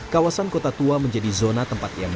kawasan kota tua menjadi zona tempat ia mencari rupiah